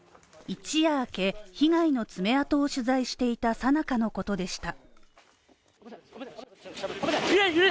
一夜明け被害の爪痕を取材していた最中のことでした。